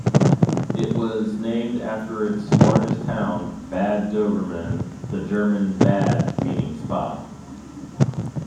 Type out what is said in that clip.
It was named after its largest town, Bad Doberan, the German "Bad" meaning "spa".